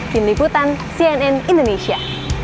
kim liputan cnn indonesia